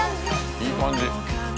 いい感じ。